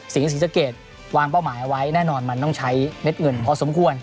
ศรีศรีสะเกดวางเป้าหมายเอาไว้แน่นอนมันต้องใช้เม็ดเงินพอสมควร